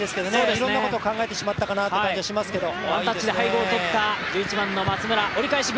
いろんなことを考えてしまったのかなという感じはしますけどね。